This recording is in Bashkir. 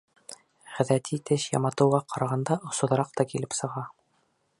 Ғәҙәти теш яматыуға ҡарағанда осһоҙораҡ та килеп сыға.